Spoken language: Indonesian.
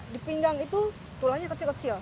dipinggang itu tulangnya kecil kecil